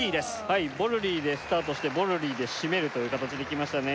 はいボルリーでスタートしてボルリーでしめるというかたちできましたね